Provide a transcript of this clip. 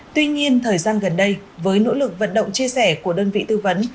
tuy nhiên thời gian gần đây với nỗ lực vận động chia sẻ của đơn vị tư vấn